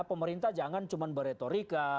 pemerintah jangan cuma berretorika